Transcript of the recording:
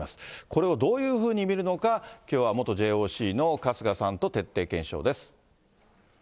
これをどういうふうに見るのか、きょうは元ＪＯＣの春日さんと徹底検証です。